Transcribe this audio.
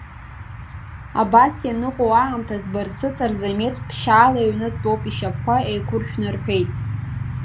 Абас ианыҟоу аамҭаз, Барцыц Арзамеҭ, ԥшьшьала иҩны дтәоуп ишьапқәа еиқәыршәны рҳәеит.